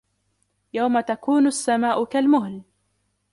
يَوْمَ تَكُونُ السَّمَاء كَالْمُهْلِ